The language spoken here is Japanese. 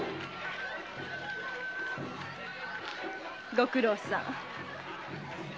ご苦労さん。